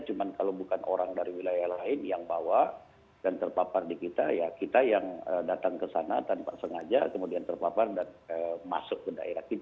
cuma kalau bukan orang dari wilayah lain yang bawa dan terpapar di kita ya kita yang datang ke sana tanpa sengaja kemudian terpapar dan masuk ke daerah kita